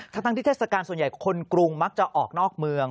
ทั้งที่เทศกาลส่วนใหญ่คนกรุงมักจะออกนอกเมือง